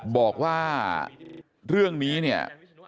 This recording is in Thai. บอกว่าเรื่องนี้เนี่ย